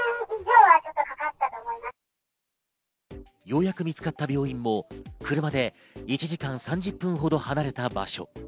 ようやく見つかった病院も車で１時間３０分ほど離れた場所。